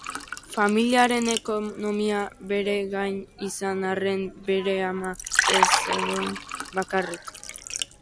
Familiaren ekonomia bere gain izan arren, bere ama ez zegoen bakarrik.